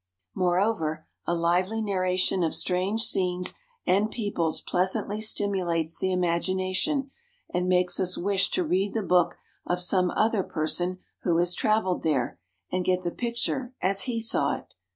Moreover, a lively narration of strange scenes and peoples pleasantly stimulates the imagination, and makes us wish to read the book of some other person who has traveled there, and get the picture as he saw it.